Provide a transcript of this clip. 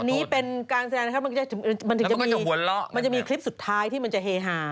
อันนี้เป็นการแสดงนะครับมันจะมีคลิปสุดท้ายที่มันจะเฮหา